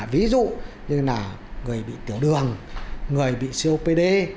ví dụ như là người bị tiểu đường người bị copd